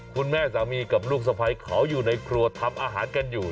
คุณแม่สามีกับลูกสะพ้ายเขาอยู่ในครัวทำอาหารกันอยู่